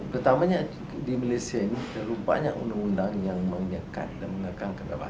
pertamanya di malaysia ini terlalu banyak undang undang yang menyekat dan menekankan bahwa